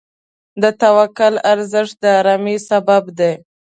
د توکل ارزښت د آرامۍ سبب دی.